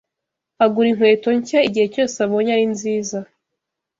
agura inkweto nshya igihe cyose abonye ari nziza